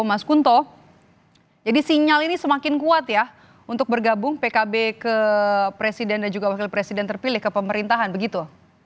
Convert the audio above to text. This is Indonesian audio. mas kunto jadi sinyal ini semakin kuat ya untuk bergabung pkb ke presiden dan juga wakil presiden terpilih ke pemerintahan begitu